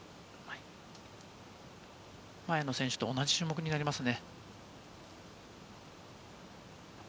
前の選手と同じ種目になりますね。